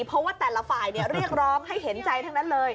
เพราะว่าแต่ละฝ่ายเรียกร้องให้เห็นใจทั้งนั้นเลย